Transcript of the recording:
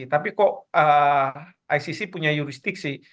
tapi kok icc punya jurisdiksi